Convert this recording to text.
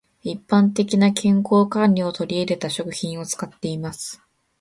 一般的な健康管理を取り入れた食品を使っています。